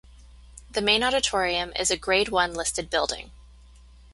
The main auditorium is a Grade One listed building.